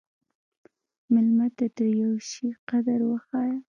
مېلمه ته د یوه شي قدر وښیه.